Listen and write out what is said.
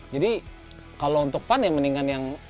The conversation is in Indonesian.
jadi kalau untuk fun ya mendingan yang